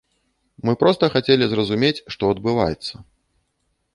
Мы проста хацелі зразумець, што адбываецца.